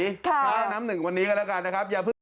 พระน้ำหนึ่งวันนี้ก็แล้วกันนะครับ